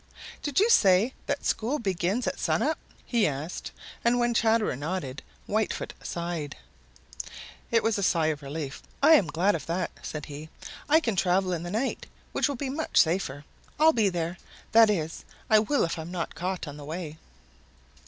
"Did you say that school begins at sun up?" he asked, and when Chatterer nodded Whitefoot sighed. It was a sigh of relief. "I'm glad of that," said he. "I can travel in the night, which will be much safer. I'll be there. That is, I will if I am not caught on the way."